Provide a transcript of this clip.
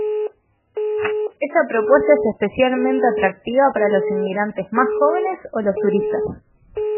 Esta propuesta es especialmente atractiva para los inmigrantes más jóvenes o los turistas.